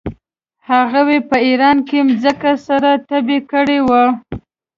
هغوی په ایران کې مځکه سره تبې کړې وه.